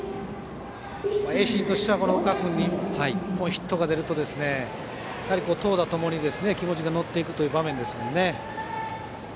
盈進としては岡君に１本ヒットが出ると投打ともに気持ちが乗っていく場面ですね。